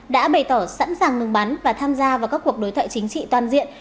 đã bày tỏ sẵn sàng ngừng bắn và tham gia vào các cuộc đối thoại chính trị toàn diện